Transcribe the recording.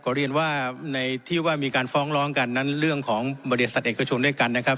เรียนว่าในที่ว่ามีการฟ้องร้องกันนั้นเรื่องของบริษัทเอกชนด้วยกันนะครับ